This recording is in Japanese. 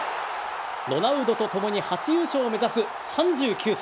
ロナウドと共に初優勝を目指す３９歳。